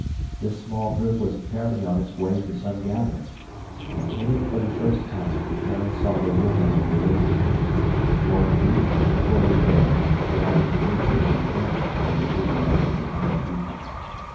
This small group was apparently on its way to some gathering. And in it for the first time the Terran saw the women of the aliens, or at least the fully veiled, gliding creatures he guessed were the females of the painted people.